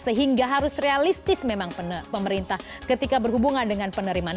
sehingga harus realistis memang pemerintah ketika berhubungan dengan penerimaan